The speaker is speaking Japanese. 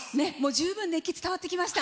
十分熱気伝わってきました。